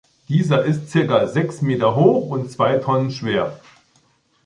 Dieser ist circa sechs Meter hoch und zwei Tonnen schwer.